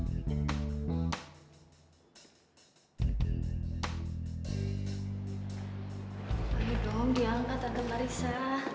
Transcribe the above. boleh dong diangkat tante marissa